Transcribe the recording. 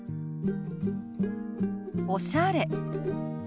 「おしゃれ」。